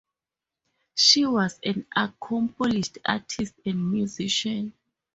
She was an accomplished artist and musician.